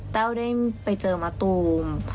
แต้วได้ไปเจอมะตูม